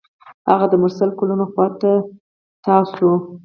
هغه د مرسل ګلونو خوا ته تاوه شوه.